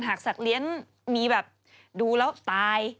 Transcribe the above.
สัตว์เลี้ยงมีแบบดูแล้วตาย